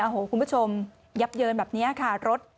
โอ้โหคุณผู้ชมยับเยินแบบนี้ค่ะรถ